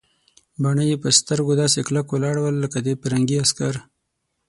باڼه یې پر سترګو داسې کلک ولاړ ول لکه د پرنګي عسکر.